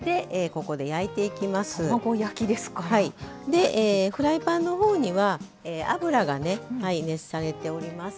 でフライパンの方には油がね熱されております。